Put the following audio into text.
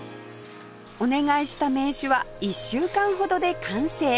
お願いした名刺は１週間ほどで完成